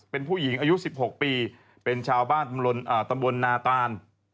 เป็นผู้หญิงอายุ๑๖ปีเป็นชาวบ้านตำบลนาตาน